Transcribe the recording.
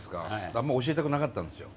あんま教えたくなかったんですよ。